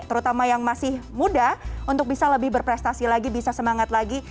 terutama yang masih muda untuk bisa lebih berprestasi lagi bisa semangat lagi